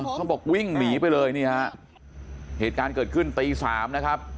เขาบอกวิ่งหนีไปเลยนี่ฮะเหตุการณ์เกิดขึ้นตีสามนะครับ